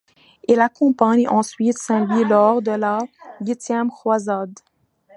Il accompagne ensuite saint Louis lors de la huitième croisade.